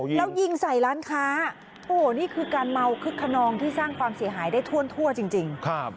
แล้วยิงใส่ร้านค้าโอ้โหนี่คือการเมาคึกขนองที่สร้างความเสียหายได้ทั่วจริง